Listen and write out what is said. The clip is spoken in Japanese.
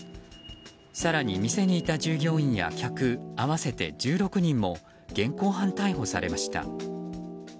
更に、店にいた従業員や客合わせて１６人も現行犯逮捕されました。